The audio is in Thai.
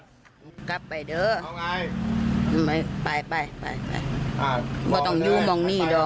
นะฮะขึ้นอยู่กับความเชื่อนะฮะสุดท้ายเนี่ยทางครอบครัวก็เชื่อว่าป้าแดงก็ไปที่วัดแล้ว